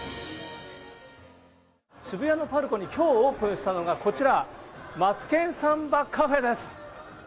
渋谷のＰＡＲＣＯにきょうオープンしたのがこちら、マツケンサンバカフェです。